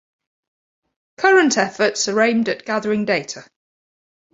Current efforts are aimed at gathering data.